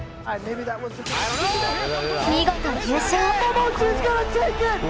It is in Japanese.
見事優勝！